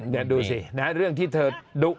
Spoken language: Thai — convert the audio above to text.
เดี๋ยวดูสินะเรื่องที่เธอดุ